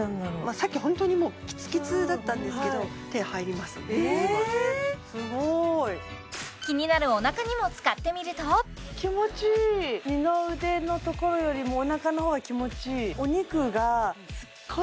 さっきホントにもうキツキツだったんですけどすごい気になるお腹にも使ってみると二の腕のところよりもお腹のほうが気持ちいい